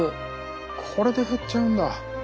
これで減っちゃうんだ！